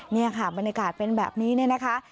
นี่ค่ะบรรยากาศเป็นแบบนี้เนี่ยนะคะ